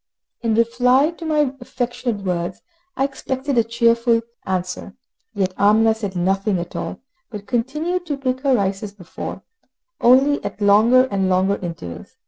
In reply to my affectionate words, I expected a cheerful answer; yet Amina said nothing at all, but continued to pick her rice as before, only at longer and longer intervals.